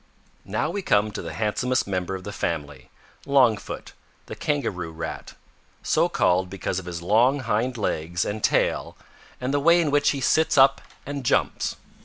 "Now we come to the handsomest member of the family, Longfoot the Kangaroo Rat, so called because of his long hind legs and tail and the way in which he sits up and jumps.